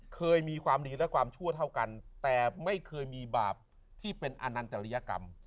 เคยมีความดีและความชั่วเท่ากันแต่ไม่เคยมีบาปที่เป็นอนันตริยกรรม